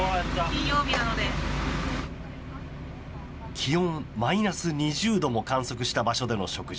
気温マイナス２０度も観測した場所での食事。